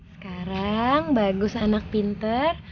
sekarang bagus anak pinter